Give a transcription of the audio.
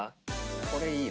これいいな。